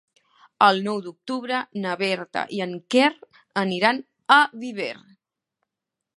El nou d'octubre na Berta i en Quer aniran a Viver.